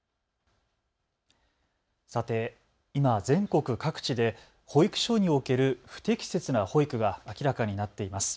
さて、今、全国各地で保育所における不適切な保育が明らかになっています。